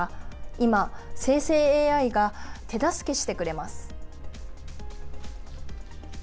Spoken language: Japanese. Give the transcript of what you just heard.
今、生成ＡＩが手助けしてくれます。